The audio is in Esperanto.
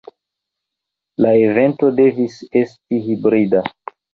La evento devis esti hibrida.